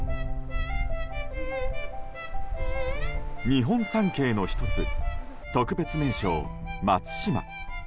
日本三景の１つ特別名勝、松島。